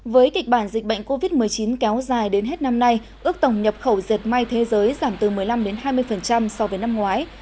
với kịch bản dịch bệnh covid một mươi chín kéo dài đến hết năm nay ước tổng nhập khẩu dệt may thế giới giảm từ một mươi năm hai mươi so với năm ngoái